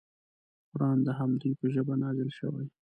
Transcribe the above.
قران د همدوی په ژبه نازل شوی.